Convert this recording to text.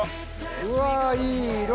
うわいい色！